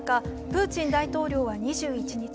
プーチン大統領は２１日